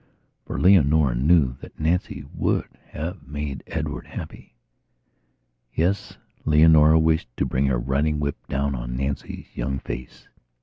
For Leonora knew that Nancy would have made Edward happy. Yes, Leonora wished to bring her riding whip down on Nancy's young face.